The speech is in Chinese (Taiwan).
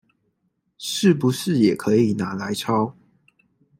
是不是也可以拿來抄